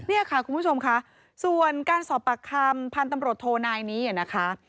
เนี่ยค่ะคุณผู้ชมค่ะส่วนการสอบปากคำพันธุ์ตำรวจโทนายนี้นะคะ